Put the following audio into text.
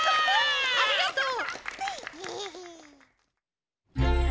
ありがとう！